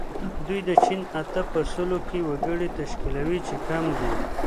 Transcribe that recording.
دوی د چین اته په سلو کې وګړي تشکیلوي چې کم دي.